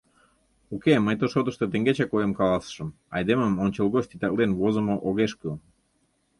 — Уке, мый ты шотышто теҥгечак оем каласышым: айдемым ончылгоч титаклен возымо огеш кӱл.